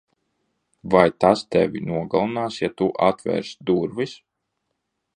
Vai tas tevi nogalinās ja tu atvērsi durvis?